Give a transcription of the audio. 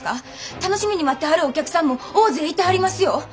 楽しみに待ってはるお客さんも大勢いてはりますよ。